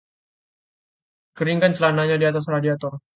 Keringkan celananya di atas radiator.